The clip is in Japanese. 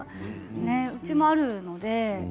うちもあるので。